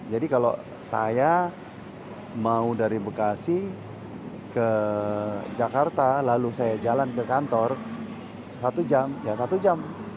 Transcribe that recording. jadi kalau saya mau dari bekasi ke jakarta lalu saya jalan ke kantor satu jam ya satu jam